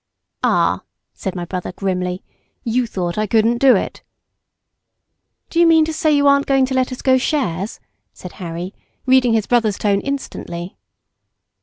"Ah!" said my brother grimly, "you thought I couldn't do it." "Do you mean to say you aren't going to let us go shares," said Harry, reading his brother's tone instantly.